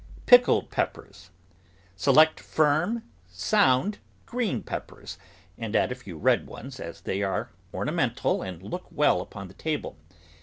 PICKLED PEPPERS Select firm, sound, green peppers, and add a few red ones, as they are ornamental and look well upon the table.